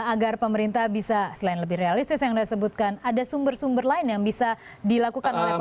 agar pemerintah bisa selain lebih realistis yang anda sebutkan ada sumber sumber lain yang bisa dilakukan oleh pemerintah